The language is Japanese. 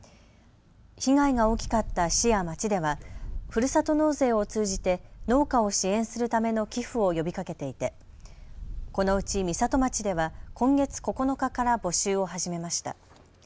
被害が大きかった市や町ではふるさと納税を通じて農家を支援するための寄付を呼びかけていてこのうち美里町では今月９日から募集を始めました。